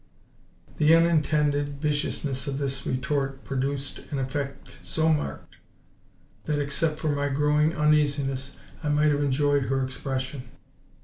The unintended viciousness of this retort produced an effect so marked, that, except for my growing uneasiness, I might have enjoyed her expression.